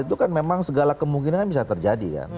itu kan memang segala kemungkinan bisa terjadi kan